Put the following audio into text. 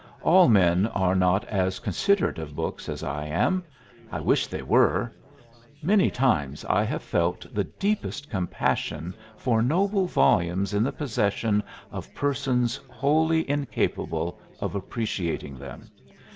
All men are not as considerate of books as I am; I wish they were. Many times I have felt the deepest compassion for noble volumes in the possession of persons wholly incapable of appreciating them.